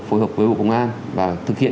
phối hợp với bộ công an và thực hiện